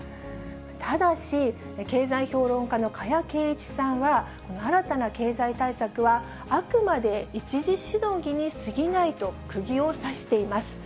ただし、経済評論家の加谷珪一さんは、新たな経済対策はあくまで一時しのぎに過ぎないと、くぎを刺しています。